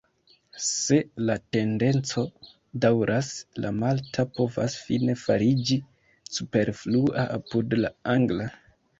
Se la tendenco daŭras, la malta povas fine fariĝi superflua apud la angla.